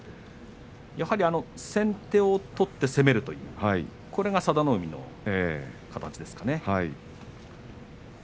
やはり先手を取って攻めるこれが佐田の海の形ですかね。